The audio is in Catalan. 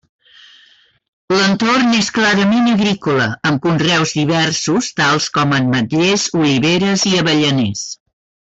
L'entorn és clarament agrícola, amb conreus diversos tals com: ametllers, oliveres i avellaners.